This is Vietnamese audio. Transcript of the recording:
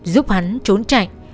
giúp hắn trốn chạy